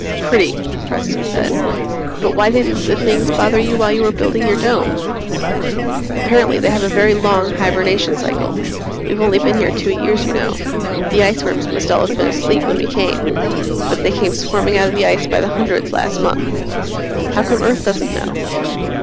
"Pretty," Preston said. "But why didn't the things bother you while you were building your Dome?" "Apparently they have a very long hibernation cycle. We've only been here two years, you know. The iceworms must all have been asleep when we came. But they came swarming out of the ice by the hundreds last month." "How come Earth doesn't know?"